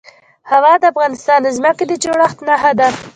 هوا د افغانستان د ځمکې د جوړښت نښه ده.